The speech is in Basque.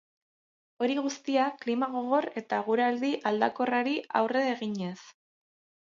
Hori guztia klima gogor eta eguraldi aldakorrari aurre eginez.